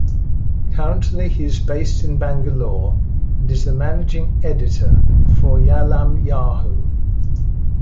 Currently he is based in Bangalore and is the Managing Editor foryalam Yahoo!